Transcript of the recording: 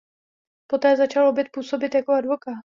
Poté začal opět působit jako advokát.